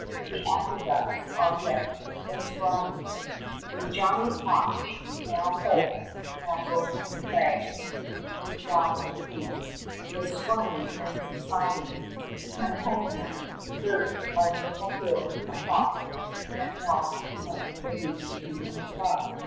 The aqueducts are yet bestriding With giant march (now whole, now broken crags With flowers plumed) the swelling and subsiding Campagna, girt by purple hills, afar, 55 That melt in light beneath the evening star.